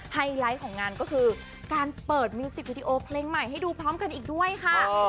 ไฮไลท์ของงานก็คือการเปิดมิวสิกวิดีโอเพลงใหม่ให้ดูพร้อมกันอีกด้วยค่ะ